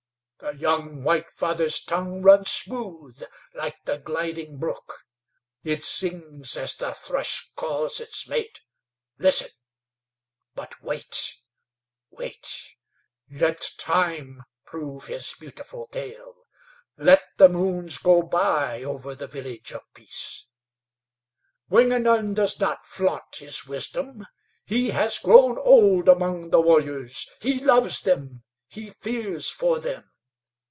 The young White Father's tongue runs smooth like the gliding brook; it sings as the thrush calls its mate. Listen; but wait, wait! Let time prove his beautiful tale; let the moons go by over the Village of Peace. "Wingenund does not flaunt his wisdom. He has grown old among his warriors; he loves them; he fears for them.